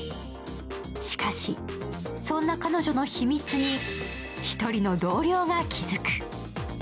しかし、そんな彼女の秘密に１人の同僚が気づく。